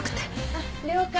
あっ了解。